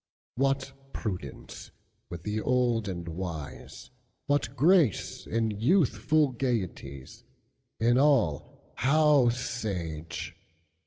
What prudence with the old and wise:What grace in youthful gayeties; In all how sage!